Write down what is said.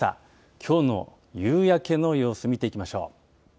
きょうの夕焼けの様子、見ていきましょう。